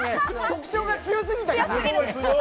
特徴が強すぎたかな？